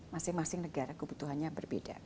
masing masing negara kebutuhannya berbeda